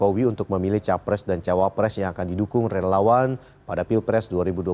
jokowi menyebutkan bahwa jokowi akan memilih capres dan cawapres yang akan didukung relawan pada pilpres dua ribu dua puluh empat